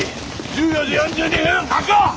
１４時４２分確保！